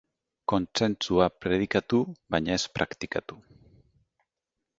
Kontsentsua predikatu baina ez praktikatu.